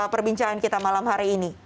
perbincangan kita malam hari ini